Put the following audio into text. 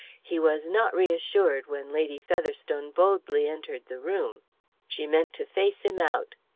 He was not reassured when Lady Featherstone boldly entered the room; she meant to face him out.